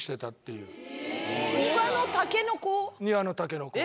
庭のタケノコを？